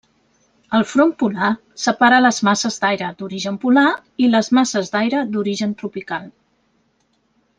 El front polar separa les masses d'aire d'origen polar i les masses d'aire d'origen tropical.